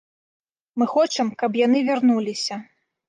Мы хочам, каб яны вярнуліся.